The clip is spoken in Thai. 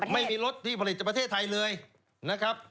ไม่มีรถที่ผลิตจากประเทศไทยเลยนะครับ